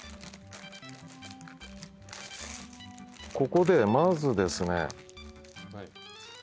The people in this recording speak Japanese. ここでまずですね